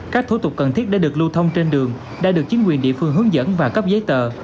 các thủ tục cần thiết đã được lưu thông trên đường đã được chính quyền địa phương hướng dẫn và cấp giấy tờ